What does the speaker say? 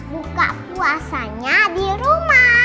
buka puasanya di rumah